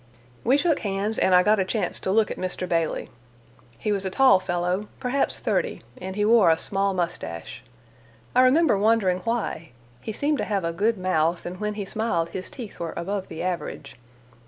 We shook hands, and I got a chance to look at Mr. Bailey; he was a tall fellow, perhaps thirty, and he wore a small mustache. I remember wondering why: he seemed to have a good mouth and when he smiled his teeth were above the average.